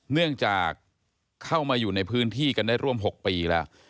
เนื่องจากเข้ามาอยู่ในพื้นที่กันได้ร่วม๖ปีแล้ว